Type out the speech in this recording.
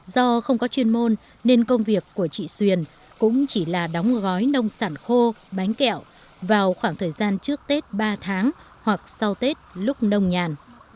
do không có chuyên môn nên công việc của chị xuyền cũng chỉ là đóng gói nông sản khô bánh kẹo vào khoảng thời gian trước tết ba tháng hoặc sau tết lúc nông nhàn